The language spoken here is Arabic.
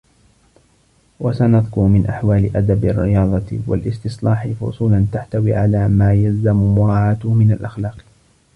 وَسَنَذْكُرُ مِنْ أَحْوَالِ أَدَبِ الرِّيَاضَةِ وَالِاسْتِصْلَاحِ فُصُولًا تَحْتَوِي عَلَى مَا يَلْزَمُ مُرَاعَاتُهُ مِنْ الْأَخْلَاقِ